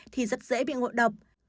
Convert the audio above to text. thì rất dễ bị ngồi đọc